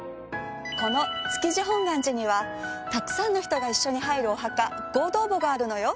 この築地本願寺にはたくさんの人が一緒に入るお墓合同墓があるのよ。